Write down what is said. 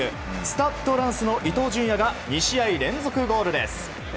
スタッド・ランスの伊東純也が２試合連続ゴールです。